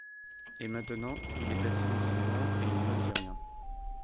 Et maintenant il est assis dans son banc et il ne dit rien.